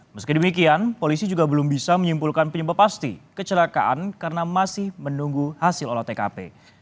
meski demikian polisi juga belum bisa menyimpulkan penyebab pasti kecelakaan karena masih menunggu hasil olah tkp